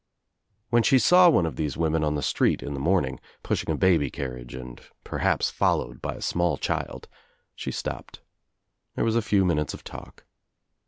When she saw one of these women on the street in the morning, pushing a baby carriage and perhaps followed by a small child, she stopped. There was a few minutes of talk.